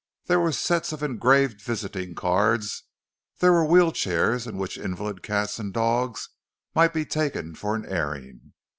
There were sets of engraved visiting cards; there were wheel chairs in which invalid cats and dogs might be taken for an airing.